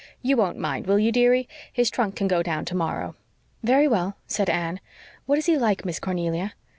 You won't mind, will you, dearie? His trunk can go down tomorrow." "Very well," said Anne. "What is he like, Miss Cornelia?"